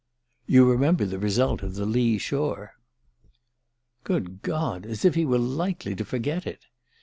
"You remember the result of 'The Lee Shore.'" Good God as if he were likely to forget it!